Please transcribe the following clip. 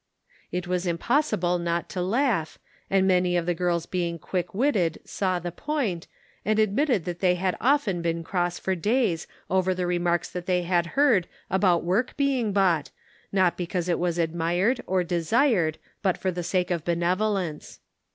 " It was impossible not to laugh, and many of tjie girls being quick witted saw the point, and admitted that they had often been cross for days over the remarks that they had heard about work being bought, not because it was 250 The Pocket Measure. admired or desired, but for the sake of benev olence.